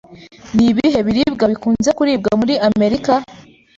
Ni ibihe biribwa bikunze kuribwa muri Amerika?